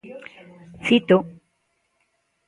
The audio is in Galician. Cito.